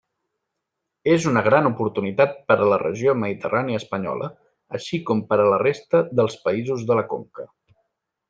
És una gran oportunitat per a la regió mediterrània espanyola, així com per a la resta dels països de la conca.